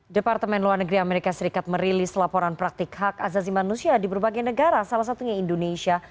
departemen luar negeri amerika serikat merilis laporan praktik hak azazi manusia di berbagai negara salah satunya indonesia